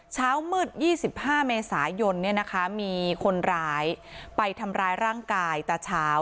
เช้ามืดยี่สิบห้าเมษายนเนี่ยนะคะมีคนร้ายไปทำร้ายร่างกายตะเช้า